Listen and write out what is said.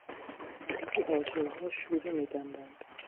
برخی آجرها شوره میبندند.